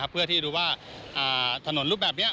เพื่อที่รู้ว่าถนนรูปแบบนี้